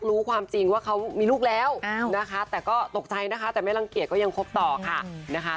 รู้ความจริงว่าเขามีลูกแล้วนะคะแต่ก็ตกใจนะคะแต่ไม่รังเกียจก็ยังคบต่อค่ะนะคะ